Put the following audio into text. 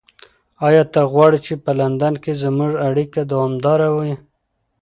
ایا ته غواړې چې په لندن کې زموږ اړیکه دوامداره وي؟